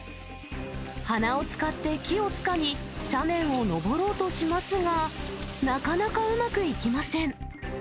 鼻を使って木をつかみ、斜面を登ろうとしますが、なかなかうまくいきません。